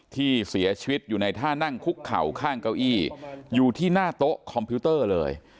ที่เสียชีวิตอยู่ในท่านั่งคุกเข่าข้างเก้าอี้อยู่ที่หน้าโต๊ะคอมพิวเตอร์เลย